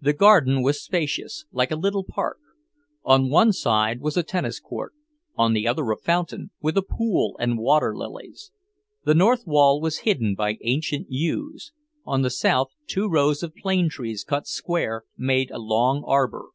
The garden was spacious, like a little park. On one side was a tennis court, on the other a fountain, with a pool and water lilies. The north wall was hidden by ancient yews; on the south two rows of plane trees, cut square, made a long arbour.